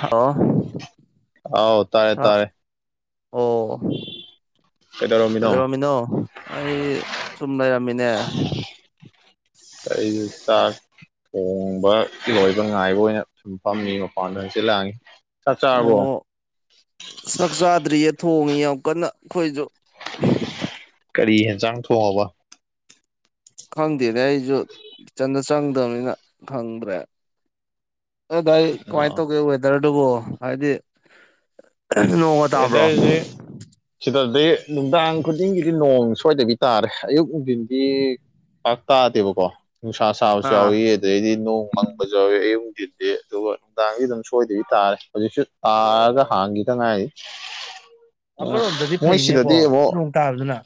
ꯍ ꯑꯥꯎ ꯇꯥꯔꯦ ꯑ ꯇꯥꯔꯦ ꯑꯣ ꯀꯩꯗꯧꯔꯝꯃꯤꯅꯣ ꯑꯩ ꯁꯨꯝ ꯂꯩꯔꯝꯃꯤꯅꯦ ꯀꯩ ꯇꯥ ꯊꯣꯡꯕ ꯂꯣꯏꯕ ꯉꯥꯏꯕ ꯑꯣꯏꯅ ꯁꯨꯝ ꯐꯝꯃꯤ ꯃꯄꯥꯟꯗ ꯍꯪꯆꯤꯂꯥꯡꯉꯤ ꯑꯣ ꯁꯁ ꯗ꯭ꯔꯤꯌꯦ ꯊꯣꯡꯉꯤ ꯌꯥꯝ ꯀꯟꯅ ꯑꯩꯈꯣꯏꯁꯨ ꯀꯔꯤ ꯌꯦꯟꯁꯥꯡ ꯊꯣꯛꯑꯕ ꯈꯪꯗꯦꯅꯦ ꯑꯩꯁꯨ ꯀꯤꯆꯟꯗ ꯆꯪꯗꯕꯅꯤꯅ ꯈꯪꯗ꯭ꯔꯦ ꯑ ꯗꯥꯏ ꯀꯃꯥꯏꯅ ꯑꯥ ꯇꯧꯒꯦ ꯋꯦꯗꯔꯗꯨꯕꯨꯣ ꯍꯥꯏꯗꯤ ꯅꯣꯡꯃ ꯇꯥꯕ꯭ꯔꯣ ꯑꯗꯩ ꯅꯨꯡꯗꯥꯡ ꯈꯨꯗꯤꯡꯒꯤꯗꯤ ꯅꯣꯡ ꯁ꯭ꯋꯥꯏꯗꯕꯤ ꯇꯥꯔꯦ ꯑꯌꯨꯛ ꯅꯨꯡꯊꯤꯟꯗꯤ ꯄꯥꯛ ꯇꯥꯗꯦꯕꯀꯣ ꯅꯨꯡꯁꯥ ꯁꯥꯕꯁꯨ ꯑꯥ ꯌꯥꯎꯋꯤ ꯑꯗꯩꯗꯤ ꯅꯣꯡ ꯃꯪꯕꯁꯨ ꯌꯥꯎꯏꯤ ꯑꯌꯨꯛꯛꯇꯤꯟ ꯑꯗꯨꯒ ꯅꯨꯡꯗꯥꯡꯁꯤ ꯑꯗꯨꯝ ꯁꯣꯏꯗꯕꯤ ꯇꯥꯔꯦ ꯍꯧꯖꯤꯛꯁꯨ ꯇꯥꯔꯒ ꯑꯣ ꯍꯥꯡꯈꯤꯗ ꯉꯥꯏꯔꯤ [unintelligible] ꯑꯃꯔꯣꯝꯗꯗꯤ ꯃꯣꯏ ꯐꯩꯅꯦꯀꯣ ꯁꯤꯗꯗꯤ ꯑꯃꯨꯛ ꯅꯣꯡ ꯇꯥꯕꯗꯨꯅ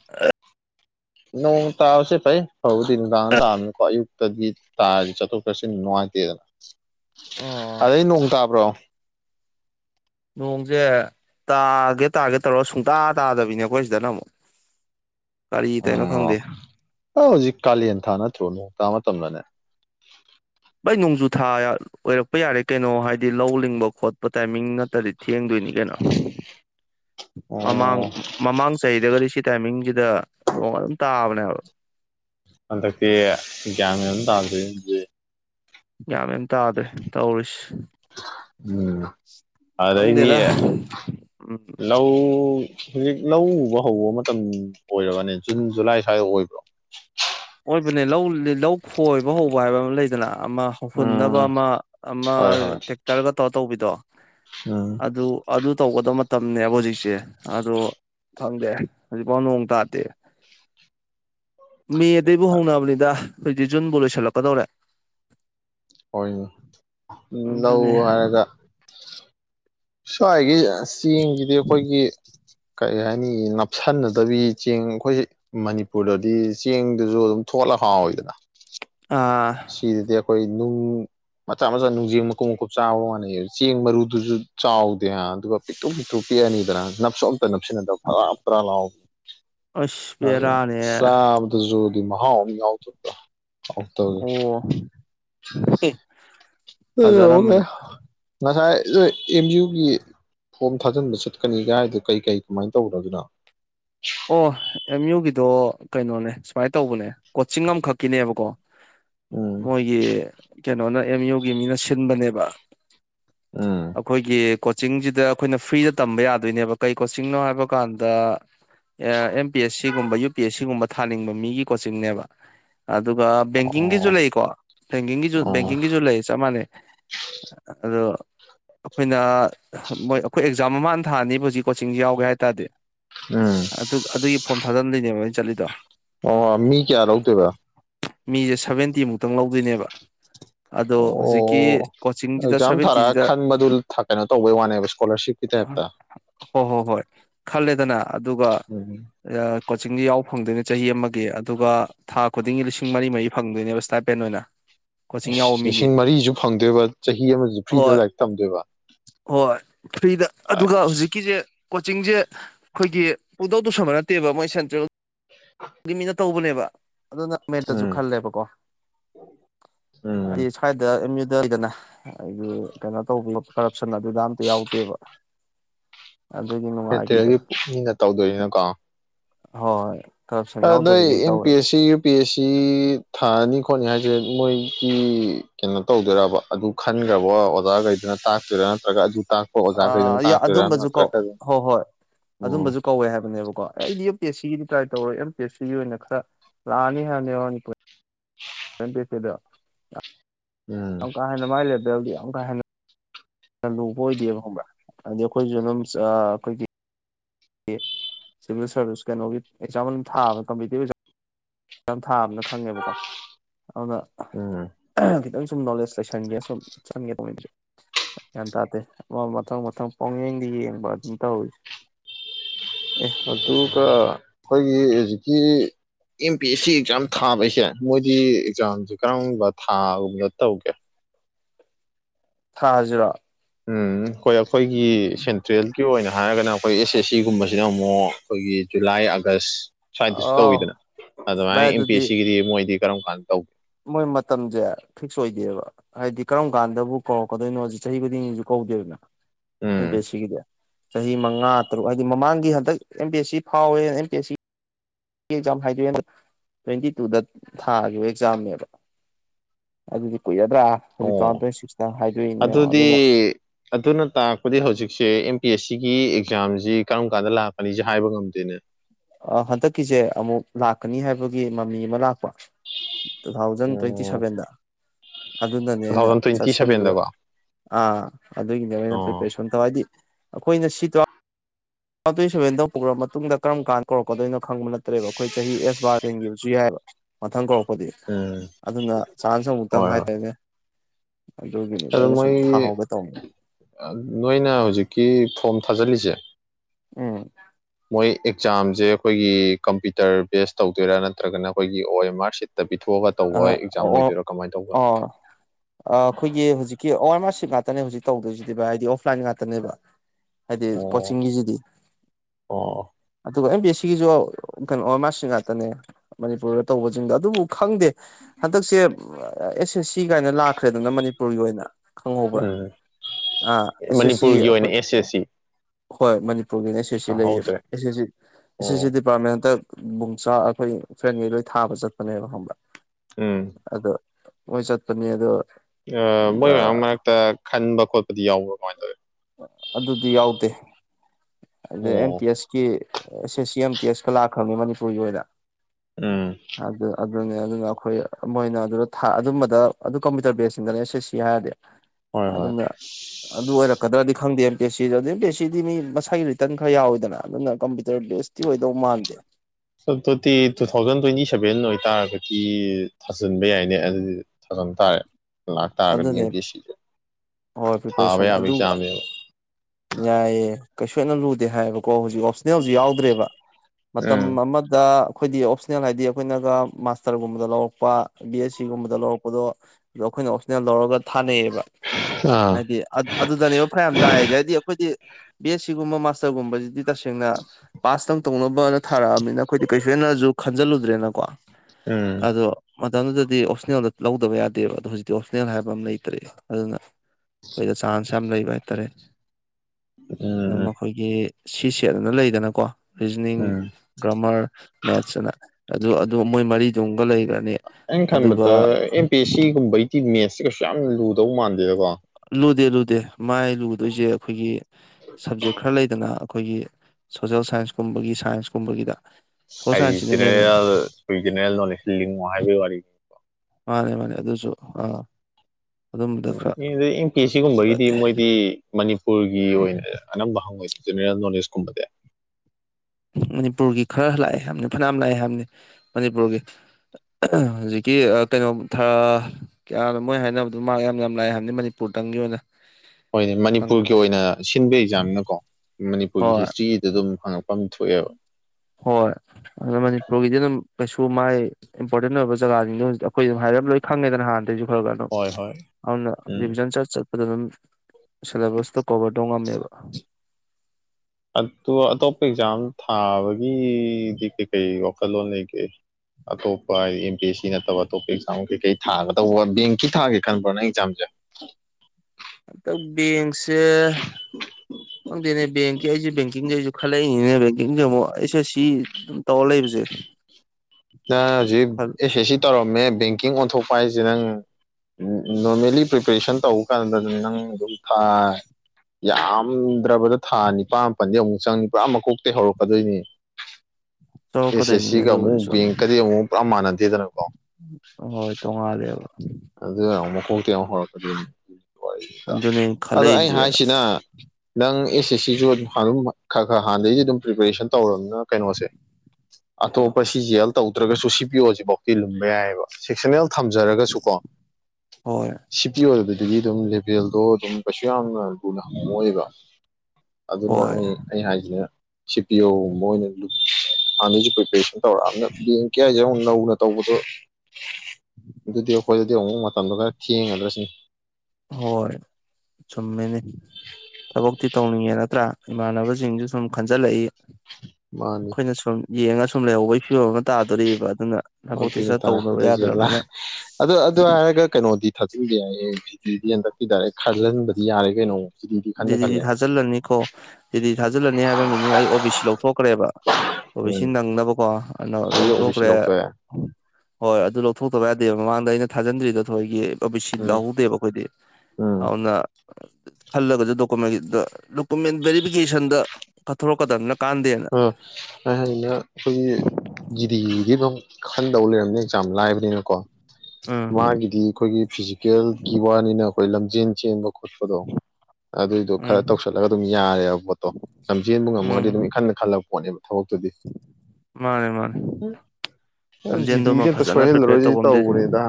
ꯅꯣꯡ ꯇꯥꯕꯁꯦ ꯐꯩ ꯐꯕꯗꯤ ꯅꯨꯡꯗꯥꯡ ꯇꯥꯕꯅꯤꯀꯣ ꯑꯌꯨꯛꯇꯗꯤ ꯇꯥꯔꯗꯤ ꯆꯠꯇꯊꯣꯛ ꯆꯁꯤ ꯅꯨꯡꯉꯥꯏ ꯠꯇꯦꯗꯅ ꯑꯣ ꯑꯗꯩ ꯅꯣꯡ ꯇꯥꯕ꯭ꯔꯣ ꯅꯣꯡꯁꯦ ꯇꯥꯒꯦ ꯇꯥꯒꯦ ꯇꯧꯔ ꯁꯨꯡꯇꯥ ꯇꯥꯗꯕꯤꯅꯦ ꯑꯩꯈꯣꯏ ꯁꯤꯗꯅ ꯑꯃꯨꯛ ꯀꯔꯤ ꯎ ꯇꯧꯔꯤꯅꯣ ꯈꯪꯗꯦ ꯑ ꯍꯧꯖꯤꯛ ꯀꯥꯂꯦꯟ ꯊꯥ ꯅꯠꯇ꯭ꯔꯣ ꯅꯣꯡꯇꯥꯥ ꯃꯇꯝꯗꯅꯦ [unintelligible] ꯩ ꯅꯣꯡꯖꯨꯊꯥ ꯑꯣꯏꯔꯛꯄ ꯌꯥꯔꯦ ꯀꯩꯅꯣ ꯍꯥꯏꯗꯤ ꯂꯧ ꯂꯤꯡꯕ ꯈꯣꯠꯄ ꯇꯥꯏꯃꯤꯡ ꯅꯠꯇ꯭ꯔꯗꯤ ꯊꯦꯡꯗꯣꯏꯅꯤ ꯀ ꯃꯃꯥꯡ ꯑꯣ ꯃꯃꯥꯡ ꯆꯍꯤꯗꯒꯗꯤ ꯁꯤ ꯇꯥꯏꯃꯤꯡꯁꯤꯗ ꯂꯣꯡ ꯑꯗꯨꯝ ꯇꯥꯕꯅꯦꯕ ꯑꯗ ꯀ ꯒꯝꯅꯤ ꯇ ꯑꯥꯟ ꯌꯥꯝ ꯌꯥꯝ ꯇꯥꯗ꯭ꯔꯦ ꯇꯧꯔꯤꯁꯤ ꯎꯝ ꯑꯗꯩꯗꯤ ꯈꯪꯗꯦꯗ ꯎꯝ ꯂꯧ ꯍꯧꯖꯤꯛ ꯂꯧ ꯎꯕ ꯍꯧꯕ ꯃꯇꯝ ꯑꯣꯏꯔꯕꯅꯦ ꯖꯨꯟ ꯖꯨꯂꯥꯏ ꯁ꯭ꯋꯥꯏꯗ ꯑꯣꯏꯕ꯭ꯔꯣ ꯅꯦ ꯂꯧ ꯂꯧ ꯈꯣꯏꯕ ꯍꯧꯕ ꯍꯥꯏꯕ ꯑꯃ ꯂꯩꯗꯅ ꯑꯃ ꯍꯧꯐꯨꯟꯅꯕ ꯎꯝ ꯑꯃ ꯑꯃ ꯍꯣꯏ ꯍꯣꯏ ꯇꯦꯛꯇꯔꯒ ꯇꯧꯔ ꯇꯧꯕꯤꯗꯣ ꯎꯝ ꯑꯗꯨ ꯑꯗꯨ ꯇꯧ ꯃꯇꯝꯅꯦꯕ ꯍꯧꯖꯤꯛꯁꯦ ꯑꯗꯣ ꯐꯪꯗꯦ ꯍꯧꯖꯤꯛꯐꯥꯎ ꯅꯣꯡ ꯇꯥꯗꯦ ꯃꯦ ꯑꯗꯩꯕꯨ ꯍꯧꯅꯕꯅꯤꯗ ꯍꯧꯖꯤꯛꯇꯛ ꯖꯨꯟꯕꯨ ꯂꯣꯏꯁꯤꯜꯂꯛꯀꯗꯧꯔꯦ ꯍꯣꯏꯅꯦ ꯂꯧ ꯑꯗꯨꯅꯦ ꯍꯥꯏꯔꯒ ꯁ꯭ꯋꯥꯏꯒꯤ ꯆꯦꯡꯁꯤꯗꯤ ꯑꯩꯈꯣꯏꯒꯤ ꯀꯔꯤ ꯍꯥꯏꯅꯤ ꯅꯞꯁꯟꯅꯗꯕꯤ ꯆꯦꯡ ꯑꯩꯈꯣꯏꯁ ꯃꯅꯤꯄꯨꯔꯗꯗꯤ ꯆꯦꯡꯗꯨꯁꯨ ꯑꯗꯨꯝ ꯊꯣꯛ ꯂ ꯍ ꯑꯣꯏꯗꯅ ꯑꯥ ꯑꯩꯈꯣꯏ ꯅꯨꯡ ꯃꯆꯥ ꯃꯆꯥ ꯅꯨꯡꯖꯦꯡ ꯃꯀꯨꯞ ꯃꯀꯨꯞ ꯆꯥꯕ ꯃꯥꯟꯅꯩꯌꯦ ꯆꯦꯡ ꯃꯔꯨꯗꯨꯁꯨ ꯆꯥꯎꯗꯦ ꯑꯗꯨꯒ ꯄꯤꯊꯣꯛ ꯄꯤꯊꯣꯛ ꯦꯛ ꯑꯅꯤꯗꯅ ꯅꯞꯁꯣ ꯑꯝꯇ ꯅꯞꯁꯤꯟꯅꯗꯕ ꯄꯔꯥꯞ ꯄꯔꯥ ꯂꯥꯎꯑꯣ ꯑꯁ ꯑ ꯕꯦꯔꯥꯅꯦ ꯁꯥꯐꯗꯖꯨ ꯃꯍꯥꯃꯤ ꯌꯥꯎ ꯇꯗ ꯇ ꯑꯗꯨ ꯑꯣ ꯑꯖ ꯑꯔꯝ ꯌꯦꯡꯉꯨꯅꯦ ꯃꯅꯦ ꯉꯁꯥꯏ ꯑꯦꯝꯖꯤ ꯌꯨꯒꯤ ꯐꯣꯝ ꯊꯥꯖꯤꯟꯕ ꯆꯠꯀꯅꯤꯒ ꯍꯥꯏꯗ ꯀꯩ ꯀꯩ ꯀꯃꯥꯏꯅ ꯇꯧꯕꯅꯣ ꯑꯗꯨꯅ ꯑꯣ ꯑꯦꯝ ꯌꯨꯒꯤꯗꯣ ꯀꯩꯅꯣꯅꯦ ꯁꯨꯃꯥꯏꯅ ꯇꯧꯕꯅꯦ ꯀꯣꯆꯤꯡ ꯑꯃꯈꯛꯀꯤꯅꯦꯕꯀꯣ ꯎꯝ ꯃꯣꯏꯒꯤ ꯀꯩꯅꯣꯅ ꯑꯦꯝ ꯌꯨꯒꯤ ꯃꯤꯅ ꯁꯤꯟꯕꯅꯦꯕ ꯎꯝ ꯑꯩꯈꯣꯏꯒꯤ ꯀꯣꯆꯤꯡꯁꯤꯗ ꯑꯩꯈꯣꯏꯅ ꯐ꯭ꯔꯤꯗ ꯇꯝꯕ ꯌꯥꯗꯣꯏꯅꯦꯕ ꯀꯩ ꯀꯣꯆꯤꯡꯅꯣ ꯍꯥꯏꯕ ꯀꯥꯟꯗ ꯑꯦꯝ ꯄꯤ ꯑꯦꯁ ꯁꯤꯒꯨꯝꯕ ꯌꯨ ꯄꯤ ꯑꯦꯁ ꯁꯤꯒꯨꯝꯕ ꯊꯥꯅꯤꯡꯕ ꯃꯤꯒꯤ ꯀꯣꯆꯤꯡꯅꯦꯕ ꯑꯗꯨꯒ ꯕꯦꯡꯀꯤꯡꯒꯤꯁꯨ ꯑꯣ ꯂꯩꯀꯣ ꯕꯦꯡꯀꯤꯡꯒꯤꯁꯨ ꯑꯣ ꯕꯦꯡꯀꯤꯡꯒꯤꯁꯨ ꯂꯩ ꯆꯞ ꯃꯥꯟꯅꯩ ꯑꯗꯨꯗꯣ ꯑꯩꯈꯣꯏꯅ ꯃꯣꯏ ꯑꯩꯈꯣꯏ ꯑꯦꯛꯖꯥꯝ ꯑꯃ ꯍꯥꯟ ꯊꯥꯅꯤꯕ ꯍꯧꯖꯤꯛ ꯀꯣꯆꯤꯡꯁꯤ ꯌꯥꯎꯒꯦ ꯍꯥꯏ ꯇꯥꯔꯗꯤ ꯎꯝ ꯑꯗꯨ ꯑꯗꯨꯒꯤ ꯐꯣꯟꯝ ꯊꯥꯗꯟꯗꯣꯏꯅꯦꯕ ꯅ ꯆꯠꯂꯤꯗꯣ ꯑꯣ ꯃꯤ ꯀꯌꯥ ꯂꯧꯗꯣꯏꯕ ꯃꯤꯁꯦ ꯁꯚꯦꯟꯇꯤ ꯃꯨꯛꯇꯪ ꯂꯧꯗꯣꯏꯅꯦꯕ ꯑꯗꯣ ꯍꯧꯖꯤꯛꯀꯤ ꯑꯣ ꯀꯣꯆꯤꯡꯁꯤꯗ ꯑꯦꯛꯖꯥꯝ ꯊꯥꯔꯛꯑ ꯁꯚꯦꯟꯇꯤꯁꯤꯗ ꯈꯟꯕꯗꯨ ꯀꯩꯅꯣ ꯇꯧꯕꯩ ꯋꯥꯅꯦꯕ ꯏꯁꯀꯣꯂꯥꯔꯁꯤꯞꯀꯤꯇꯪ ꯍꯥꯏ ꯍꯣꯏ ꯍꯣꯏ ꯍꯣꯏ ꯈꯜꯂꯦꯗꯅ ꯑꯗꯨꯒ ꯎꯝ ꯀꯣꯆꯤꯡꯁ ꯌꯥꯎꯕ ꯐꯪꯗꯣꯏꯅꯦ ꯆꯍꯤ ꯑꯃꯒꯤ ꯑꯗꯨꯒ ꯊꯥ ꯈꯨꯗꯤꯡꯒꯤ ꯂꯤꯁꯤꯡ ꯃꯔꯤ ꯃꯔꯤ ꯐꯪꯗꯣꯏꯅꯦꯕ ꯏꯁꯇꯥꯏꯄꯦꯟ ꯑꯣꯏꯅ ꯑ ꯀꯣꯆꯤꯡ ꯌꯥꯎꯕ ꯃꯤꯒꯤ ꯂꯤꯁꯤꯡ ꯃꯔꯤꯁꯨ ꯐꯪꯗꯣꯏꯕ ꯆꯍꯤ ꯑꯃꯁꯨ ꯐ꯭ꯔꯤꯗ ꯍꯣꯏ ꯂꯥꯏꯔꯤꯛ ꯇꯝꯗꯣꯏꯕ ꯍꯣꯏ ꯐ꯭ꯔꯤꯗ ꯑꯗꯨꯒ ꯑꯩꯁ ꯍꯧꯖꯤꯛꯀꯤꯁꯦ ꯀꯣꯆꯤꯡꯁꯦ ꯑꯩꯈꯣꯏꯒꯤ ꯄꯨꯗꯧ ꯇꯧꯁꯕ ꯅꯠꯇꯦꯕ ꯃꯣꯏ ꯁꯦꯟꯇ꯭ꯔꯦꯜꯒꯤ ꯃꯤꯅ ꯇꯧꯕꯅꯦꯕ ꯑꯗꯨꯅ ꯃꯦꯠꯇꯁꯨ ꯎꯝ ꯈꯜꯂꯦꯕꯀꯣ ꯎꯝ ꯍꯥꯏꯗꯤ ꯁ꯭ꯋꯥꯏꯗ ꯑ ꯑꯗꯨꯩꯗꯅ ꯑꯩꯗꯤ ꯀꯩꯅꯣ ꯇꯧꯕ ꯀꯔꯞꯁꯟ ꯑꯗꯨꯗ ꯑꯝꯇ ꯌꯥꯎꯗꯦꯕ ꯑꯗꯨꯒꯤ ꯅꯨꯡꯉꯥꯏꯕꯤꯗꯣ ꯁꯦꯟꯇꯦꯜꯒꯤ ꯄꯨꯛ ꯃꯤꯅ ꯇꯧꯗꯣꯏꯔꯤꯅꯀꯣ ꯍꯣꯏ ꯀꯔꯞꯁꯟ ꯑ ꯅꯣꯏ ꯌꯥꯎꯗꯕꯤꯗꯩ ꯑꯦꯝ ꯄꯤ ꯇꯧꯋꯦ ꯑꯦꯁ ꯁꯤ ꯌꯨ ꯄꯤ ꯑꯦꯁ ꯁꯤ ꯁꯤ ꯊꯥꯅꯤ ꯈꯣꯠꯅꯤ ꯍꯥꯏꯁꯦ ꯃꯣꯏꯒꯤ ꯀꯩꯅꯣ ꯇꯧꯗꯣꯏꯔꯕ ꯑꯗꯨ ꯈꯟꯈ꯭ꯔꯕꯣ ꯑꯣꯖꯥꯒꯅ ꯇꯥꯛꯇꯔꯥ ꯅꯠꯇ꯭ꯔꯒ ꯑꯗꯨ ꯇꯥꯛꯄ ꯑ ꯑꯣꯖꯥꯈꯩꯗꯨꯅ ꯇꯥꯛꯇꯣꯏꯔꯥ ꯑꯗꯨꯝꯕꯁꯨ ꯀꯣ ꯅꯠꯇ꯭ꯔꯒ ꯍꯣꯏ ꯍꯣꯏ ꯎꯝ ꯑꯗꯨꯝꯕꯁꯨ ꯀꯧꯋꯦ ꯍꯥꯏꯕꯅꯦꯕꯀꯣ ꯑꯩꯗꯤ ꯌꯞ ꯄꯦ ꯁꯤꯗꯤ ꯇ꯭ꯔꯥꯏ ꯇꯧꯔ ꯑꯦꯝ ꯄꯤ ꯑꯦꯁ ꯁꯤꯒꯤ ꯑꯣꯏꯅ ꯈꯔ ꯂꯥꯛꯑꯅꯤ ꯍꯥꯏꯔꯅꯤꯅꯤ ꯁꯤꯗ ꯎꯝ ꯌꯥꯝ ꯀꯥ ꯍꯦꯟꯅ ꯃꯥꯏ ꯂꯦꯚꯦꯜꯒꯤ ꯌꯥꯝ ꯀꯥ ꯍꯦꯟꯅ ꯂꯨꯕ ꯑꯣꯏꯗꯦꯕ ꯈꯪꯕ꯭ꯔꯥ ꯍꯥꯏꯗꯤ ꯑꯩꯈꯣꯏꯁꯨ ꯑꯗꯨꯝ ꯑꯩꯈꯣꯏꯒꯤ ꯁꯤꯚꯤꯜ ꯁꯥꯔꯚꯤꯁ ꯀꯩꯅꯣꯒꯤ ꯑꯦꯛꯖꯥꯝ ꯑꯗꯨꯝ ꯊꯥꯕ ꯀꯝꯄꯤꯇꯤꯤꯚ ꯑꯦꯝ ꯈꯤ ꯊꯥꯕꯅ ꯈꯪꯉꯦꯕꯀꯣ ꯑꯗꯨꯅ ꯎꯝ ꯈꯤꯇꯪ ꯁ ꯅꯣꯂꯦꯖꯦ ꯒ꯭ꯌꯥꯟ ꯇꯥꯗꯦ ꯑꯃ ꯃꯊꯪ ꯃꯊꯪ ꯄꯣꯡꯌꯦꯡꯗꯤ ꯌꯦꯡꯕ ꯑꯗꯨꯝ ꯇꯧꯔꯤꯁꯦ ꯑꯗꯨꯒ ꯑꯩꯈꯣꯏꯒꯤ ꯍꯧꯖꯤꯛꯀꯤ M P S C exam ꯊꯥꯕ ꯍꯥꯏꯁꯦ ꯃꯣꯏꯗꯤ ꯑꯦꯛꯖꯥꯝꯁꯦ ꯀꯔꯝꯕ ꯊꯥꯒꯨꯝꯕꯗ ꯇꯧꯒꯦ ꯊꯥꯖꯤꯔꯣ ꯎ ꯑꯩꯈꯣꯏ ꯑꯩꯈꯣꯏꯒꯤ ꯁꯦꯟꯇ꯭ꯔꯦꯜꯒꯤ ꯑꯣꯏꯅ ꯍꯥꯏꯔꯒꯅ ꯑꯩꯈꯣꯏ ꯑꯦꯁ ꯑꯦꯁ ꯁꯤꯒꯨꯝꯕꯁꯤꯅ ꯑꯃꯨꯛ ꯑꯩꯈꯣꯏꯒꯤ ꯖꯨꯂꯥꯏ ꯑꯥꯒꯁ ꯁ꯭ꯋꯥꯏꯗꯁꯨ ꯑꯥꯎ ꯇꯧꯋꯤꯗꯅ ꯚꯥꯏ ꯑꯗꯨꯃꯥꯏꯅ ꯑꯦꯝ ꯄꯤ ꯑꯗꯨꯗꯤ ꯑꯦꯁ ꯁꯤꯒꯤꯗꯤ ꯃꯣꯏꯗꯤ ꯀꯔꯝ ꯀꯥꯟꯗ ꯇꯧꯒꯦ ꯃꯣꯏ ꯃꯇꯝꯁꯦ ꯐꯤꯛꯁ ꯑꯣꯏꯗꯦꯕ ꯍꯥꯏꯗꯤ ꯀꯔꯝ ꯀꯥꯟꯗꯕꯨ ꯀꯧꯔꯛꯀꯗꯣꯏꯅꯣ ꯍꯧꯖꯤꯛ ꯆꯍꯤ ꯈꯨꯗꯤꯡꯒꯤꯁꯨ ꯀꯧ ꯎꯝ ꯍꯧꯗꯦꯅꯇꯦꯁꯤꯒꯤꯗ ꯆꯍꯤ ꯃꯉꯥ ꯇꯔꯨꯛ ꯍꯥꯏꯗꯤ ꯃꯃꯥꯡꯒꯤ ꯍꯟꯗꯛ ꯑꯦꯝ ꯄꯤ ꯑꯦꯁ ꯁꯤ ꯐꯥꯎꯋꯦ M P S C exam ꯍꯥꯏꯗꯣꯛꯦꯅ ꯇ꯭ꯋꯦꯟꯇꯤ ꯇꯨꯗ ꯊꯥꯈꯤꯕ ꯑꯦꯛꯖꯥꯝꯅꯦꯕ ꯑꯗꯨꯗꯤ ꯀꯨꯏꯒꯗ꯭ꯔꯥ ꯍꯧꯖꯤꯛ ꯇꯨ ꯑꯣ ꯊꯥꯎꯟ ꯇ꯭ꯋꯦꯟꯇ ꯁꯤꯛꯁꯇ ꯍꯥꯏꯗꯣꯛꯏꯅꯦ ꯑꯗꯨꯗꯤ ꯑꯗꯨꯅ ꯑꯗꯨꯅ ꯇꯥꯛꯄꯗꯤ ꯍꯧꯖꯤꯛꯁꯦ ꯑꯦꯝ ꯄꯤ ꯑꯦꯁ ꯁꯤꯒꯤ ꯑꯦꯛꯖꯥꯝꯁꯤ ꯀꯔꯝ ꯀꯥꯟꯗ ꯂꯥꯛꯀꯅꯤꯁꯦ ꯍꯥꯏꯕ ꯉꯝꯗꯦꯅꯦ ꯑ ꯍꯟꯗꯛꯀꯤꯁꯦ ꯑꯃꯨꯛ ꯂꯥꯛꯀꯅꯤ ꯍꯥꯏꯕꯒꯤ ꯃꯃꯤ ꯑꯃ ꯂꯥꯛ ꯇꯨ ꯊꯥꯎꯖꯟ ꯇ꯭ꯋꯦꯟꯇꯤ ꯑꯣ ꯁꯚꯦꯟꯗ ꯑꯗꯨ ꯑꯗꯨ ꯅꯅꯤ ꯇꯨ ꯑꯩꯅ ꯊꯥꯎꯖꯟ ꯇ꯭ꯋꯦꯟꯇꯤ ꯆꯠꯁꯗ ꯁꯚꯦꯟꯗꯀꯣ ꯑꯥ ꯑꯗꯨꯒꯤꯅꯦ ꯑꯣꯏꯅ ꯑꯣ ꯄ꯭ꯔꯤꯄꯦꯔꯦꯁꯟ ꯇꯧ ꯍꯥꯏꯗꯤ ꯑꯩꯈꯣꯏꯅ ꯁꯤ ꯇ꯭ꯤ ꯁꯚꯦꯟ ꯇꯧ ꯄꯨꯈ꯭ꯔ ꯃꯇꯨꯡ ꯀꯔꯝ ꯀꯥꯟ ꯀꯧꯔꯛꯀꯣꯏꯣꯪꯕ ꯅꯠꯇ꯭ꯔꯦꯕ ꯑꯩꯈꯣꯏ ꯆꯍꯤ ꯑꯦꯁ ꯕꯥꯔ ꯇꯦꯟꯈꯤꯕꯁꯨ ꯌꯥꯏꯑꯕ ꯃꯊꯪ ꯀꯧꯔꯛꯄꯗꯤ ꯎꯝ ꯑꯗꯨꯅ ꯆꯥꯟꯁꯨ ꯑꯃꯨꯛꯇꯪ ꯍꯣꯏ ꯍꯣꯏ ꯍꯥꯏꯇꯥꯅꯦ ꯑꯗꯣ ꯃꯣꯏꯒꯤ ꯇꯧꯅꯤ ꯅꯣꯏꯅ ꯍꯧꯖꯤꯛꯀꯤ ꯐꯣꯝ ꯊꯥꯖꯤꯜꯂꯤꯁꯦ ꯎꯝ ꯑꯩ ꯑꯦꯛꯖꯥꯝꯁꯦ ꯑꯩꯈꯣꯏꯒꯤ ꯀꯝꯄ꯭ꯌꯨꯇꯔ ꯕꯦꯁ ꯇꯧꯗꯣꯏꯔꯥ ꯅꯠꯇ꯭ꯔꯒꯅ ꯑꯩꯈꯣꯏꯒꯤ ꯑꯣ ꯑꯦꯝ ꯑꯥꯔ ꯁꯤꯠ ꯇ ꯄꯤꯊꯣꯛꯑꯒ ꯇꯧꯕ ꯑ ꯑꯦꯛꯖꯥꯝ ꯑꯣꯏꯗꯣꯏꯔꯥ ꯀꯃꯥꯏꯅ ꯇꯧꯕꯣꯏꯅꯣ ꯑ ꯑꯩꯈꯣꯏꯒꯤ ꯍꯧꯖꯤꯛꯀꯤ ꯑꯋꯥꯔ ꯃꯥꯔ ꯁꯤꯞ ꯉꯥꯛꯇꯅꯦ ꯍꯧꯖꯤꯛ ꯇꯧꯗꯣꯏꯁꯤꯗꯤ ꯚ ꯍꯥꯏꯗꯤ ꯥꯏꯟ ꯉꯥꯛꯇꯅꯦꯕ ꯍꯥꯏꯗꯤ ꯑꯣ ꯀꯣꯆꯤꯡꯒꯤꯁꯤꯗꯤ ꯑꯣ ꯑꯗꯨꯒ ꯑꯦꯝ ꯕꯤ ꯑꯦꯁ ꯁꯤꯒꯤꯁꯨ ꯀꯩꯅꯣ ꯃꯥꯔꯁꯤꯌꯦꯦꯜ ꯑꯥꯔꯠꯇꯅꯦ ꯃꯅꯤꯄꯨꯔꯗ ꯇꯧꯕꯁꯤꯡꯗꯣ ꯑꯗꯨꯕꯨ ꯈꯪꯗꯦ ꯍꯟꯗꯛꯁꯦ ꯑꯦꯁ ꯑꯦꯁ ꯁꯤ ꯀꯥꯏꯅ ꯂꯥꯛꯈ꯭ꯔꯦ ꯑꯗꯨꯅ ꯃꯅꯤꯄꯨꯔꯒꯤ ꯑꯣꯏꯅ ꯈꯪꯍꯧꯕ꯭ꯔꯥ ꯎꯝ ꯑꯥ ꯑꯦꯁ ꯑꯦꯁ ꯁꯤ ꯃꯅꯤꯄꯨꯔꯒꯤ ꯑꯣꯏꯅ ꯑꯩꯈꯣꯏ ꯑꯦꯁ ꯑꯦꯁ ꯁꯤ ꯍꯣꯏ ꯃꯅꯤꯄꯨꯔꯒꯤꯅ ꯑꯦꯁ ꯑꯦꯁ ꯁꯤ ꯂꯩꯌꯦꯕ ꯇꯥꯍꯧꯗ꯭ꯔꯦ ꯑꯦꯁ S C S S C ꯑꯣ ꯗꯤꯄꯥꯔꯠꯃꯦꯟꯇ ꯕꯨꯡꯆꯥꯥ ꯑꯩꯈꯣꯏ ꯐ꯭ꯔꯦꯟꯒꯤ ꯂꯣꯏ ꯊꯥꯕ ꯆꯠꯄꯅꯦꯕ ꯈꯪꯕ꯭ꯔꯥ ꯎꯝ ꯍꯣꯏ ꯆꯠꯄꯅꯤ ꯑ ꯑꯗꯨ ꯃꯣꯏ ꯃꯌꯥꯝ ꯃꯔꯛꯇ ꯈꯟꯕ ꯈꯣꯠꯄꯗꯤ ꯌꯥꯎꯕ꯭ꯔꯥ ꯀꯃꯥꯏꯅ ꯇꯧꯋꯤ ꯑꯗꯨꯗꯤ ꯌꯥꯎꯗꯦ ꯑ ꯑꯦꯝ ꯑꯣ ꯇꯤ ꯑꯦꯁꯀꯤ ꯁ ꯁꯤ ꯑꯦꯝ ꯇꯤ ꯑꯦꯁꯀ ꯂꯥꯛꯈ꯭ꯔꯕꯅꯤ ꯃꯅꯤꯄꯨꯔꯒꯤ ꯑꯣꯏꯅ ꯎꯝ ꯑꯗꯨ ꯑꯗꯨꯅꯦ ꯑꯗꯨꯅ ꯑꯩꯈꯣꯏ ꯃꯣꯏꯅ ꯑꯗꯨꯗ ꯊꯥ ꯑꯗꯨꯝꯕꯗ ꯑꯗꯨ ꯀꯝꯄ꯭ꯌꯨꯇꯔ ꯕꯦꯁꯁꯤꯡꯗꯅꯦ ꯑꯦꯁ ꯑꯦꯁ ꯁꯤ ꯍꯥꯏꯔꯗꯤ ꯍꯣꯏ ꯍꯣꯏ ꯑꯗꯨꯅ ꯑꯗꯨ ꯑꯣꯏꯔ ꯈꯪꯗꯦ M P S C M P S ꯁꯤꯗꯤ ꯃꯤꯁꯥꯒꯤ ꯔꯤꯇꯟ ꯈꯔꯎꯋꯦꯗꯅ ꯅꯪ ꯁꯣ ꯇꯨ ꯊꯥꯎꯖꯟ ꯇ꯭ꯋꯦꯟꯇꯤ ꯁꯚꯦꯟ ꯍꯥꯏ ꯇꯥꯔꯒꯗꯤ ꯊꯥꯖꯤꯟꯕ ꯌꯥꯏꯅꯦ ꯑꯗꯨꯗꯤ ꯊꯥꯖꯟ ꯇꯥꯔꯦ ꯂꯥꯛꯇꯥ ꯑꯗꯨꯅꯦ ꯑꯒꯔꯗꯤꯟꯒꯤ ꯁꯤꯖꯦ ꯍꯣꯏ ꯄ꯭ꯔꯤꯄꯦꯔꯦꯁꯟ ꯑꯗꯨ ꯌꯥꯏꯌꯦ ꯀꯩꯁꯣꯏꯅ ꯂꯨꯗꯦ ꯍꯥꯏꯌꯦꯕꯀꯣ ꯍꯧꯖꯤꯛ ꯑꯣꯞꯁꯅꯦꯜꯁꯨ ꯌꯥꯎꯗ꯭ꯔꯦꯕ ꯃꯇꯝ ꯎꯝ ꯑꯃꯗ ꯑꯩꯈꯣꯏꯗꯤ ꯑꯣꯞꯁꯅꯦꯜ ꯍꯥꯏꯗꯤ ꯑꯩꯈꯣꯏꯅꯒ ꯃꯥꯁꯇꯔꯒꯨꯝꯕꯗ ꯂꯧꯔꯛꯄ ꯕꯤ ꯑꯦꯁ ꯁꯤꯒꯨꯝꯕꯗ ꯂꯧꯔꯛꯄꯗꯣ ꯑꯗꯣ ꯑꯩꯈꯣꯏꯅ ꯂꯧꯔꯒ ꯊꯥꯅꯩꯌꯦꯕ ꯑꯥ ꯍꯥꯏꯗꯤ ꯑꯗꯨꯗꯅꯦꯕ ꯐꯔꯌꯥꯝ ꯇꯥꯏꯏꯁꯦ ꯍꯥꯏꯗꯤ ꯑꯩꯈꯣꯏꯗꯤ ꯕꯤ ꯑꯦꯁ ꯁꯤꯒꯨꯝꯕ ꯥꯁꯇꯔꯒꯨꯝꯕꯁꯤꯗꯤ ꯇꯁꯦꯡꯅ ꯄꯥꯁꯇꯧ ꯇꯧꯅꯕꯅ ꯊꯥꯔꯛꯑꯕꯅꯤꯅ ꯑꯩꯈꯣꯏꯗꯤ ꯀꯩꯁꯨ ꯍꯦ ꯈꯟꯖꯤꯜꯂꯨꯗ꯭ꯔꯦꯅꯀꯣ ꯎꯝ ꯑꯗꯣ ꯃꯇꯝꯗꯨꯗꯗꯤ ꯑꯣꯞꯁꯅꯦꯜꯗ ꯂꯧꯗꯕ ꯌꯥꯗꯦꯕ ꯑꯗꯣ ꯍꯧꯖꯤꯛ ꯇꯤꯑꯣꯁꯅꯦꯜ ꯍꯥꯏꯕ ꯑꯃ ꯂꯩꯇ꯭ꯔꯦ ꯑꯗꯨꯅ ꯑꯩꯈꯣꯏꯗ ꯆꯥꯟꯁ ꯌꯥꯝ ꯂꯩꯕ ꯍꯥꯏꯇꯥꯔꯦ ꯎꯝ ꯑꯗꯨꯝ ꯎꯝ ꯑꯩꯣꯏꯒꯤ ꯁꯤꯁꯦ ꯑꯗꯨꯅ ꯂꯩꯗꯅꯀꯣ ꯔꯤꯖꯅꯤꯡ ꯎꯝ ꯒ꯭ꯔꯥꯃꯔ ꯃꯦꯠꯁ ꯑꯅ ꯑꯗꯨ ꯑꯗꯨ ꯃꯣꯏ ꯃꯔꯤꯗꯨ ꯑꯃꯒ ꯂꯩ ꯑꯩꯅ ꯈꯟꯕꯗ ꯑꯦꯝ ꯄꯤ ꯑꯦꯁ ꯁꯤꯒꯨꯝꯕꯩꯗꯤ ꯃꯦꯠꯁꯁꯤ ꯀꯩꯁꯨ ꯌꯥꯝ ꯂꯨꯗꯧ ꯃꯥꯟꯗꯦꯗꯀꯣ ꯂꯨꯗꯦ ꯂꯨꯗꯦ ꯃꯥꯏ ꯂꯨꯒꯗꯣꯏꯁꯦ ꯑꯩꯈꯣꯏꯒꯤ ꯁꯞꯖꯦꯛ ꯈꯔ ꯂꯩꯗꯅ ꯑꯩꯈꯣꯏꯒꯤ ꯁꯣꯁꯦꯜ ꯁꯥꯏꯟꯁꯀꯨꯝꯕꯒꯤ ꯁꯥꯏꯟꯁꯀꯨꯝꯕꯒꯤꯗ ꯁꯣꯁꯦꯜ ꯍꯥꯏꯗꯤ ꯁꯥꯏꯟꯁꯁꯤꯅ ꯃꯦꯟ ꯑꯣꯏꯅ ꯖꯦꯔꯦꯜꯈꯦꯜ ꯅꯣꯂꯦꯖ ꯂꯤꯡꯉꯣ ꯍꯥꯏꯕꯒꯤ ꯋꯥꯔꯤꯅꯤꯣ ꯃꯥꯅꯦ ꯃꯥꯅꯦ ꯑꯗꯨꯁꯨ ꯑꯥ ꯑꯗꯨꯝꯕꯗ ꯈꯔ ꯎꯝꯗ ꯑꯦꯝ ꯄꯤ ꯑꯦꯁ ꯁꯤꯒꯨꯝꯕꯒꯤꯗꯤ ꯃꯣꯏꯗꯤ ꯃꯅꯤꯄꯨꯔꯒꯤ ꯑꯣꯏꯅ ꯑꯅꯝꯕ ꯍꯪꯉꯣꯏꯗ ꯅꯣꯂꯦꯖ ꯀꯨꯝꯕꯗ ꯃꯅꯤꯄꯨꯔꯒꯤ ꯈꯔ ꯂꯥꯛꯑꯦ ꯍꯥꯏꯕꯅꯤ ꯐꯅꯌꯥꯝ ꯂꯥꯛꯑꯦ ꯍꯥꯏꯕꯅꯤ ꯃꯅꯤꯄꯨꯔꯒꯤ ꯍꯧꯖꯤꯛꯀꯤ ꯀꯩꯅꯣ ꯀꯌꯥꯅꯣ ꯃꯣꯏ ꯍꯥꯏꯅꯕꯗꯣ ꯃꯥꯔꯛ ꯌꯥꯝ ꯌꯥꯝ ꯂꯥꯛꯑꯦ ꯍꯥꯏꯕꯅꯤ ꯃꯅꯤꯄꯨꯔꯗ ꯀꯪꯒꯤꯤꯣꯅꯦ ꯍꯣꯏꯅꯦ ꯃꯅꯤꯄꯨꯔꯒꯤ ꯑꯣꯏꯅ ꯁꯤꯟꯕ ꯑꯦꯛꯖꯥꯝꯅꯀꯣ ꯃꯅꯤꯄꯨꯔꯒꯤ ꯍꯣꯏ ꯍꯤꯁꯇ꯭ꯔꯤꯗ ꯑꯗꯨꯝ ꯐꯪꯉꯛꯄ ꯑꯃ ꯊꯣꯛꯑꯦꯕ ꯍꯣꯏ ꯑꯗꯨꯅ ꯃꯅꯤꯄꯨꯔꯒꯤꯗꯤ ꯑꯗꯨꯝ ꯀꯩꯁꯨ ꯃꯥꯏ ꯏꯝꯄꯣꯔꯇꯦꯟ ꯑꯣꯏꯕ ꯖꯒꯥꯅꯤꯗ ꯍꯧꯖꯤꯛ ꯑꯩꯈꯣꯏ ꯑꯗꯨꯝ ꯍꯥꯏꯔ ꯂꯣꯏ ꯈꯪꯉꯦꯗꯅ ꯍꯥꯟꯅꯗꯒꯤꯩꯁꯨ ꯈꯔꯒ ꯑꯗꯨꯝ ꯍꯣꯏ ꯍꯣꯏ ꯑꯗꯨꯅ ꯎꯝ ꯔꯤꯚꯤꯖꯟ ꯆꯠ ꯆꯠꯄꯗ ꯑꯗꯨꯝ ꯁꯤꯂꯕꯁꯇ ꯀꯕꯥ ꯣꯉꯥ ꯃꯦꯕ ꯑ ꯑꯇꯣꯞꯄ ꯑꯦꯛꯖꯥꯝ ꯊꯥꯕꯒꯤꯗꯤ ꯀꯩꯀꯩ ꯋꯥꯈꯜꯂꯣꯟ ꯂꯩꯒꯦ ꯑꯇꯣꯞꯄ ꯍꯥꯏꯗꯤ ꯑꯦꯝ ꯕꯤ ꯑꯦꯁ ꯁꯤ ꯅꯠꯇꯕ ꯑꯇꯣꯞꯄ ꯑꯦꯛꯖꯥꯝ ꯀꯩ ꯀꯩ ꯊꯥꯒꯗꯧꯕ ꯕꯦꯡꯀꯤ ꯊꯥꯒꯦ ꯈꯟꯕ꯭ꯔꯥꯅ ꯑꯦꯛꯖꯥꯝꯁꯦ [unintelligible] ꯍꯟꯗꯛ ꯕꯦꯡꯁꯦ ꯡꯁꯩꯁꯨ ꯈꯜꯂꯛꯏꯅꯤꯅꯦ ꯕꯀꯤꯡꯁꯦ ꯑꯃꯨꯛ ꯑꯩꯁꯦ ꯁꯤ ꯑꯗꯨꯝ ꯇꯧꯔ ꯂꯩꯕꯁꯦ ꯅꯪ ꯍꯧꯖꯤꯛ ꯈꯜ ꯑꯦꯁ ꯑꯦꯁ ꯁꯤ ꯇꯧꯔꯝꯃꯦ ꯕꯦꯡꯀꯤꯡ ꯑꯣꯟꯊꯣꯛꯄ ꯍꯥꯏꯁꯦ ꯅꯪ ꯅꯣꯔꯃꯦꯜꯂꯤ ꯄ꯭ꯔꯤꯄꯦꯔꯦꯁꯟ ꯇꯧꯕ ꯀꯥꯟꯗ ꯑꯗꯨꯝ ꯅꯪ ꯑꯗꯨꯝ ꯊꯥꯏ ꯌꯥꯝꯗ꯭ꯔꯕꯗ ꯊꯥ ꯅꯤꯄꯥꯜ ꯃꯥꯄꯜꯗꯤ ꯑꯃꯨꯛ ꯆꯪꯅꯤ ꯄꯨꯔꯥ ꯃꯀꯣꯛꯇꯩ ꯍꯧꯔꯛꯀꯗꯣꯏꯅꯤ ꯑꯦꯁꯦ ꯆꯥꯎꯔꯛꯀꯗꯣꯏꯅꯤꯅꯦ ꯁꯤꯒ ꯑꯗꯨꯕꯨꯗꯤ ꯑꯃꯨꯛ ꯕꯤꯡ ꯆꯨꯝꯃꯦ ꯀꯔꯤ ꯑꯃꯨꯛ ꯄꯨꯔꯥ ꯃꯥꯟꯅꯗꯦꯗꯅꯀꯣ ꯍꯣꯏ ꯇꯣꯡꯉꯥꯂꯦꯕ ꯑꯗꯨ ꯑꯃꯨꯛ ꯍꯣꯡꯇꯤ ꯑꯃꯨꯛ ꯍꯧꯔꯛꯀꯗꯣꯏꯅꯤ ꯑꯗꯨꯅꯦ ꯑꯩꯅ ꯑꯗ ꯑꯩ ꯈꯜꯂꯛꯏꯁꯦ ꯍꯥꯏꯁꯤꯅ ꯅꯪ ꯑꯦꯁ ꯑꯦꯁ ꯁꯤꯁꯨ ꯑꯗꯨꯝ ꯑꯗꯨꯝ ꯈꯔ ꯈꯔ ꯍꯥꯟꯗꯩꯁꯨ ꯑꯗꯨꯝ ꯄ꯭ꯔꯤꯄꯦꯔꯦꯁꯟ ꯇꯧꯔꯕꯅꯤꯅ ꯀꯩꯅꯣꯁꯦ [unintelligible] ꯑꯇꯣꯞꯄ ꯁꯤ ꯖꯦꯜ ꯇꯧꯗ꯭ꯔꯒꯁꯨ ꯁꯤ ꯄꯤꯌꯣꯁꯤꯐꯥꯎꯗꯤꯤ ꯂꯨꯝꯕ ꯌꯥꯏꯑꯕ ꯁꯦꯛꯁꯟꯅꯦꯜ ꯊꯝꯖꯔꯒꯁꯨ ꯀꯣ ꯍꯣꯏ ꯑꯗꯒꯤ ꯑꯗꯨꯝ ꯂꯦꯚꯦꯜꯗꯣ ꯑꯗꯨꯝ ꯀꯩꯁꯨ ꯌꯥꯝꯅ ꯂꯨꯅ ꯍꯪꯉꯣꯏꯕ ꯑꯗꯨꯅ ꯍꯣꯏ ꯑꯩ ꯑꯩ ꯍꯥꯏꯁꯦ ꯁꯤ ꯄꯤ ꯑꯣꯒꯨꯝꯕ ꯑꯣꯏꯅ ꯑꯁꯨ ꯄ꯭ꯔꯤꯄꯦꯔꯦꯁꯟ ꯇꯧꯔꯛ ꯂꯧꯧꯅ ꯇꯧꯕꯗꯨꯣ ꯑꯗꯨꯗꯤ ꯑꯩꯈꯣꯏꯗꯗꯤ ꯑꯃꯨꯛ ꯃꯇꯝꯗꯣ ꯈꯔ ꯊꯦꯡꯉꯗ꯭ꯔꯁꯤꯅꯤ ꯍꯣꯏ ꯆꯨꯝꯃꯦꯅꯤ ꯊꯕꯛ ꯇꯧꯅꯤꯡꯉꯦ ꯅꯠꯇ꯭ꯔꯥ ꯏꯃꯥꯟꯅꯕꯁꯤꯡꯁꯨ ꯁꯨꯝ ꯈꯟꯖꯜꯂꯛꯏ ꯃꯥꯅꯤ ꯑꯩꯈꯣꯏꯅ ꯁꯨꯝ ꯌꯦꯡꯉ ꯁꯨꯝ ꯂꯩꯍꯧꯕꯩꯁꯨ ꯌꯧꯅ ꯇꯥꯗꯣꯔꯤꯕꯑꯕ ꯑꯗꯨꯅ ꯊꯕꯛꯇꯤ ꯑꯗꯨꯅꯤ ꯁꯠ ꯇꯧꯗꯕ ꯇꯥꯔꯛꯄꯗꯁꯂ ꯌꯥꯗ꯭ꯔꯕꯅꯤꯅ ꯑꯗꯨ ꯑꯗꯨ ꯍꯥꯏꯔꯒ ꯀꯩꯅꯣꯗꯤ ꯊꯥꯖꯤꯤꯟꯕ ꯌꯥꯏꯌꯦ ꯐꯤꯗꯤꯤꯗꯤ ꯌꯦꯟꯗꯛꯄꯤ ꯇꯔꯦ ꯈꯜꯍꯟꯕꯗꯤ ꯌꯥꯔꯦ ꯀꯩꯅꯣ ꯖꯤꯗꯤꯗꯤ ꯈꯟꯗ ꯑꯗꯨꯗꯤꯗꯤ ꯈꯜꯂꯦ ꯊꯥꯖꯤꯜꯂꯅꯤꯀꯣ ꯗꯤꯗꯤ ꯊꯥꯖꯤꯜꯂꯅꯤ ꯍꯥꯏꯕ ꯃꯤꯅꯤꯡ ꯑꯩ ꯑꯣ ꯕꯤ ꯁꯤ ꯂꯧꯊꯣꯛꯈ꯭ꯔꯦꯕ ꯇ ꯁꯤ ꯎꯝ ꯅꯪꯅꯕꯀꯣ ꯑꯅ ꯑꯩꯁꯨ ꯑꯣ ꯕꯤ ꯁꯤ ꯂꯧꯊꯣꯛꯈ꯭ꯔꯦ ꯂꯧꯊꯣꯛꯑꯦ ꯍꯣꯏ ꯑꯗꯨ ꯂꯧꯊꯣꯛꯇꯕ ꯌꯥꯗꯦꯕ ꯃꯃꯥꯡꯗ ꯑꯩꯅ ꯊꯥꯖꯟꯗ꯭ꯔꯤꯗ ꯊꯣꯏꯒꯤ ꯀꯕꯤꯁꯤ ꯎꯝ ꯂꯧꯍꯧꯗꯦꯕ ꯑꯩꯈꯣꯏꯗꯤ ꯎꯝ ꯑꯗꯨꯅ ꯈꯜꯂꯒꯁꯨ ꯗꯣꯀꯨꯃꯦꯟꯒꯤ ꯗꯣꯀꯨꯃꯦꯟ ꯕꯦꯔꯤꯐꯤꯀꯦꯁꯟꯗ ꯀꯥꯊꯣꯔꯛꯀꯗꯕꯅꯤ ꯅ ꯑ ꯑꯩꯅ ꯑꯩꯈꯣꯏꯒꯤꯖꯤꯗꯤꯖꯤ ꯒꯤꯐꯝꯝ ꯈꯟꯗꯧ ꯂꯩꯔꯝꯅꯤ ꯑꯦꯛꯖꯥ ꯌꯥꯝ ꯂꯥꯏꯕꯅꯤꯅꯀꯣ ꯎꯝ ꯃꯥꯒꯤꯗꯤ ꯑꯩꯈꯣꯏꯒꯤ ꯐꯤꯖꯤꯀꯦꯜꯒꯤ ꯋꯥꯅꯤꯅ ꯑꯩꯈꯣꯏ ꯂꯝꯖꯦꯟ ꯆꯦꯟꯕ ꯈꯁꯁꯨꯗꯣ ꯑꯗꯨꯏꯗꯣ ꯎꯝ ꯈꯔ ꯇꯧꯁꯜꯂꯒ ꯑꯗꯨꯝ ꯌꯥꯔꯦꯕ ꯄꯣꯠꯇꯣ ꯂꯝꯖꯦꯟꯕ ꯉꯝꯃꯒꯗꯤ ꯎꯝ ꯑꯗꯨꯝ ꯏꯈꯟ ꯃꯥꯅꯦ ꯃꯥꯅꯦ ꯖꯤꯗꯤ ꯂꯝꯖꯦꯟꯗꯨꯃ ꯑꯝꯇ ꯐꯖꯅ ꯄ꯭ꯔꯤꯄꯦꯌꯔ ꯁꯣꯏꯍꯜꯂꯔꯣꯏꯁꯤ ꯇꯧꯕ ꯇꯧꯕꯅꯤꯗ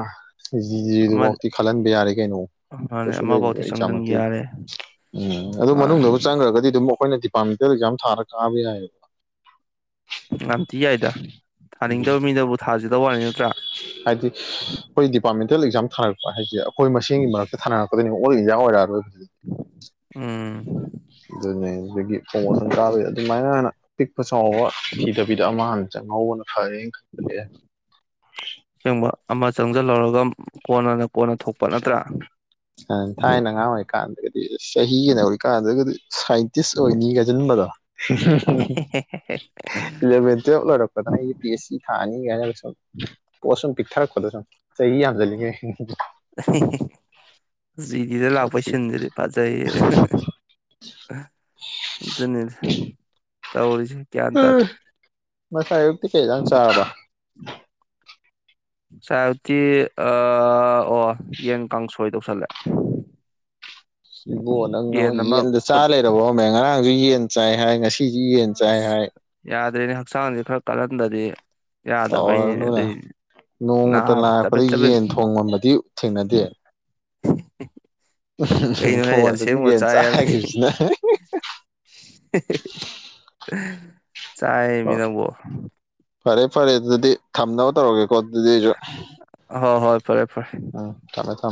ꯑꯃꯗꯤ ꯖꯤꯖꯤꯗꯨꯐꯥꯎꯇꯤ ꯈꯜꯍꯟꯕ ꯌꯥꯔꯦ ꯀꯩꯅꯣ ꯑꯃ ꯃꯥꯅꯦ ꯀꯩꯁꯨ ꯂꯩꯕ ꯑꯃꯐꯥꯎꯗꯤ ꯆꯪꯁꯤꯟ ꯑꯩꯆꯥꯥꯃꯠꯇꯦꯗꯤ ꯌꯥꯔꯦ ꯎꯝ ꯑꯗꯨꯣ ꯃꯅꯨꯡꯗꯕꯨ ꯃꯥꯅꯦ ꯆꯪꯈ꯭ꯔꯒꯗꯤ ꯑꯗꯨꯝ ꯑꯩꯈꯣꯏꯅꯗꯤ ꯄꯟꯇꯔꯖꯝ ꯊꯥꯔ ꯀꯥꯕ ꯌꯥ ꯍꯥꯏ ꯑꯝ ꯊꯤ ꯍꯥꯏꯗ ꯊꯥꯅꯤꯡꯗꯕ ꯃꯤꯗꯕꯨ ꯊꯥꯖꯗꯕ ꯋꯥꯅꯤ ꯅꯠꯇ꯭ꯔꯥ ꯇꯨꯌꯦꯦꯜ ꯑꯦꯛꯥꯝ ꯊꯥꯔꯛꯄ ꯍꯥꯏꯁꯦ ꯑꯩꯈꯣꯏꯁꯒꯤ ꯃꯔꯛꯇ ꯊꯥꯅꯔꯛꯀꯣꯏꯅꯦ ꯑꯣ ꯏꯟꯗꯤꯌꯥ ꯑꯣꯏꯔꯛꯔꯣꯏ ꯎꯝ ꯑꯗꯨꯅꯦ ꯑꯗꯨꯒꯤ ꯄ꯭ꯔꯣꯃꯣꯁꯟ ꯀꯥꯕ ꯑꯗꯨꯃꯥꯏꯅ ꯍꯥꯟꯅ ꯄꯤꯛꯄꯁꯨ ꯆꯥꯎꯕ ꯊꯤꯗꯕꯤꯗ ꯑꯃ ꯍꯥꯟ ꯆꯪꯍꯧꯕꯅ ꯐꯔꯦꯅ ꯈꯟꯂꯑꯦ ꯑꯁꯦꯡꯕ ꯑꯃ ꯆꯪꯁꯤꯜꯍꯧꯔꯒ ꯀꯣꯟꯅꯅ ꯀꯣꯟꯅ ꯊꯣꯛꯄ ꯅꯠꯇ꯭ꯔꯥ ꯊꯥꯏꯅ ꯑꯉꯥꯡ ꯑꯣꯏꯔꯤꯀꯥꯟꯗꯒꯗꯤ ꯆꯍꯤꯒꯤꯅ ꯍꯧꯔꯤꯀꯥꯟꯗꯒꯗꯤ ꯁꯥꯏꯟꯇꯤꯁ ꯑꯣꯏꯅꯤꯒꯁꯤꯟꯕꯗꯣ ꯏꯟꯔꯤ ꯑꯦ [unintelligible] ꯄꯤꯛꯊꯔꯛꯄꯗꯣ ꯁꯨꯝ ꯆꯍꯤ ꯌꯥꯝꯁꯤꯜꯂꯤꯉꯩ ꯗꯤꯗ ꯂꯥꯛꯑꯣꯄꯩꯁ ꯅꯖꯗꯤꯄꯥꯖꯏꯌꯦ ꯅꯤ ꯇ ꯎ ꯃꯁꯥ ꯑꯌꯨꯛꯇꯤ ꯀꯩ ꯌꯥꯝꯪ ꯆꯥꯔꯕ ꯁꯥꯏꯕꯇꯤ ꯑꯣ ꯌꯦꯟ ꯀꯥꯡꯁꯣꯏ ꯇꯧꯁꯜꯂꯦ ꯏꯕꯣ ꯅꯪꯅ ꯌꯦꯟ ꯑꯃ ꯌꯦꯟꯗ ꯆꯥ ꯐꯨꯠ ꯂꯩꯔꯕꯝꯃꯦ ꯉꯔꯥꯡꯁꯨ ꯌꯦꯟ ꯆꯥꯏ ꯍꯥꯏ ꯉꯁꯤ ꯁꯤꯁꯤ ꯌꯦꯟ ꯆꯥꯏ ꯍꯥꯏ ꯑꯗꯨꯏꯅꯦ ꯍꯛꯆꯥꯡꯁ ꯈꯔ ꯀꯜꯍꯟꯗꯗꯤ ꯌꯥꯗꯕꯩꯅꯤꯅꯦ ꯇꯧꯔꯅꯨꯅ ꯑꯗꯨꯏꯅꯤ ꯅꯣꯡꯃꯇ ꯅꯥꯔ ꯂꯥꯔꯛꯄꯗ ꯆꯕꯦꯠ ꯆꯕꯦꯠ ꯌꯦꯟ ꯊꯣꯡ ꯉꯕꯗꯤ ꯊꯦꯡꯅꯗꯦ ꯎ ꯀꯩꯅꯣꯍꯦ ꯐꯣꯟꯗꯗꯤ ꯑꯁꯦꯡꯕ ꯌꯦꯟ ꯆꯥꯈꯤꯕꯁꯤꯅ ꯑꯣ ꯆꯥꯏꯃꯤꯅꯕꯣ ꯐꯔꯦ ꯐꯔꯦ ꯑꯗꯨꯗꯤ ꯊꯝꯅꯕ ꯇꯧꯔꯒꯦꯀꯣ ꯑꯗꯨꯗꯤ ꯑꯩꯁꯨ ꯍ ꯍꯣꯏ ꯐꯔꯦ ꯐꯔꯦ ꯎꯝ ꯊꯝꯃꯦ ꯊꯝꯃꯦ